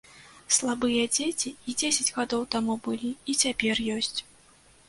Слабыя дзеці і дзесяць гадоў таму былі, і цяпер ёсць.